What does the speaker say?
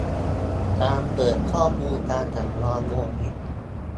การเปิดข้อมูลการสำรองโลหิต